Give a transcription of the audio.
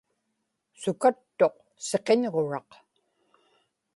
sukattuq siqiñġuraq